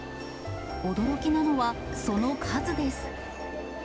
驚きなのは、その数です。